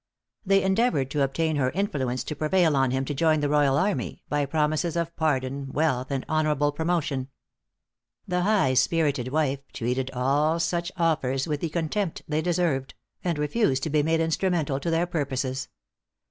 They endeavored to obtain her influence to prevail on him to join the royal army, by promises of pardon, wealth, and honorable promotion. The high spirited wife treated all such offers with the contempt they deserved, and refused to be made instrumental to their purposes.